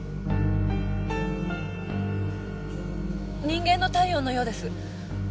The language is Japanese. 人間の体温のようです。